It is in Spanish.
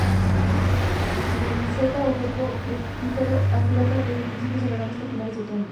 Su seta, o cuerpo fructífero, aflora desde principios de verano hasta finales de otoño.